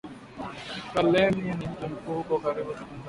Kalemie ni mji mkuu uko karibu tazania